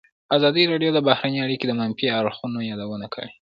ازادي راډیو د بهرنۍ اړیکې د منفي اړخونو یادونه کړې.